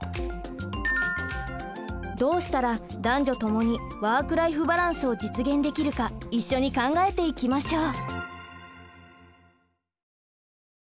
どうしたら男女ともにワーク・ライフ・バランスを実現できるか一緒に考えていきましょう。